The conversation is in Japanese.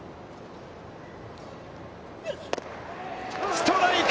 ストライク！